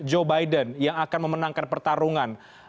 joe biden yang akan memenangkan pertarungan